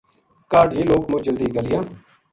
کاہڈ یہ لوک مچ جلدی گلیاں